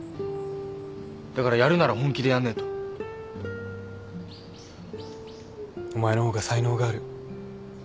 だからやるなら本気でやんねえと。お前の方が才能がある。